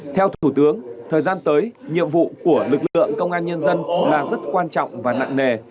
theo thủ tướng thời gian tới nhiệm vụ của lực lượng công an nhân dân là rất quan trọng và nặng nề